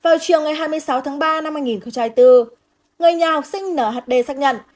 vào chiều ngày hai mươi sáu tháng ba năm hai nghìn bốn người nhà học sinh nhd xác nhận